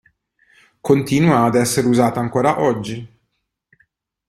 Continua ad essere usata ancora oggi.